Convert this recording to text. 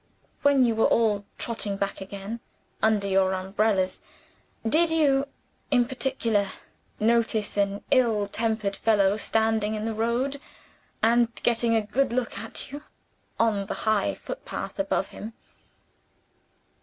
When you were all trotting back again, under your umbrellas, did you (in particular) notice an ill tempered fellow standing in the road, and getting a good look at you, on the high footpath above him?"